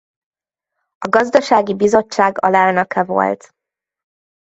A gazdasági bizottság alelnöke volt.